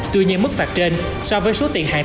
tuy nhiên mức phạt trên so với số tiền hàng